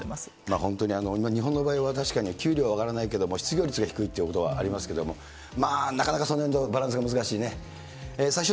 本当に日本の場合は確かに給料が上がらないけれども、失業率が低いということはありますけれども、なかなかそのへんのバランスが難しいね。